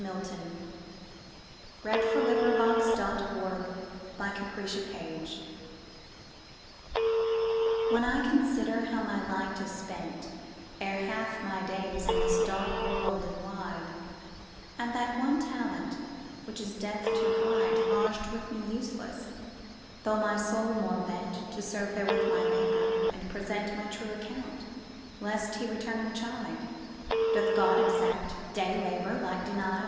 MILTON (Paradise Lost, Bk. iv). 674. ON HIS BLINDNESS WHEN I consider how my light is spent, Ere half my days, in this dark world and wide, And that one talent which is death to hide, Lodged with me useless, though my soul more bent To serve therewith my Maker, and present My true account, lest He returning chide, Doth God exact day labour, light denied